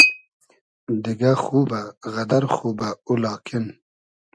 دیگۂ خوبۂ غئدئر خوبۂ او لاکین